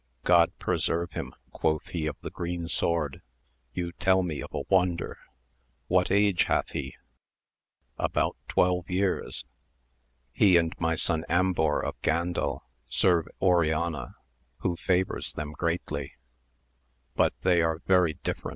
God preserve him, quoth he of the green sword, you tell me of a wonder. What age hath he? — ^About twelve years ; he and my son Ambor of Gandel serve Oriana, who favours them greatly ; but they are very t var.'